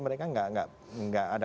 mereka tidak ada